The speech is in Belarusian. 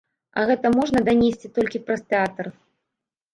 А гэта можна данесці толькі праз тэатр.